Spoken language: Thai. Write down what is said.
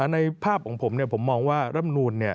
ในภาพของผมผมมองว่าร่ำนูน